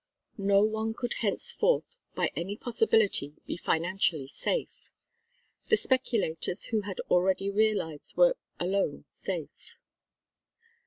No one could henceforth by any possibility be financially safe. The speculators who had already realised were alone safe.